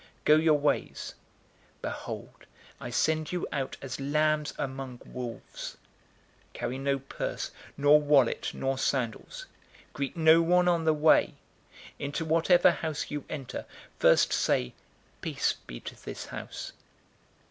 010:003 Go your ways. Behold, I send you out as lambs among wolves. 010:004 Carry no purse, nor wallet, nor sandals. Greet no one on the way. 010:005 Into whatever house you enter, first say, 'Peace be to this house.'